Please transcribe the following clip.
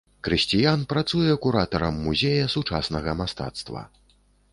Крысціян працуе куратарам музея сучаснага мастацтва.